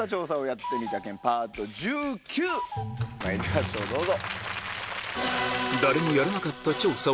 まいりましょうどうぞ。